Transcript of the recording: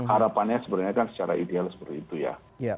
harapannya sebenarnya kan secara ideal seperti itu ya